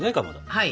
はい。